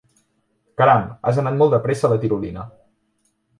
Caram, has anat molt de pressa a la tirolina!